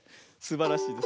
すばらしい。